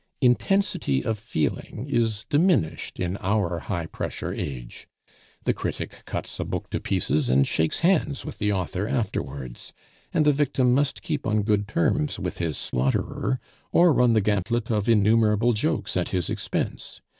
Intensity of feeling is diminished in our high pressure age. The critic cuts a book to pieces and shakes hands with the author afterwards, and the victim must keep on good terms with his slaughterer, or run the gantlet of innumerable jokes at his expense.